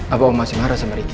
apa om masih marah sama ricky